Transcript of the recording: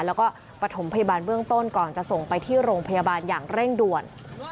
แล้วก็ปฐมพยาบาลเบื้องต้นก่อนจะส่งไปที่โรงพยาบาลอย่างเร่งด่วน